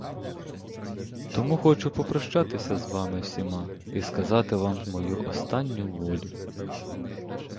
Тому хочу попрощатися з вами всіма і сказати вам мою останню волю.